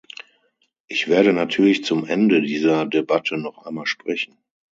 Ich werde natürlich zum Ende dieser Debatte noch einmal sprechen.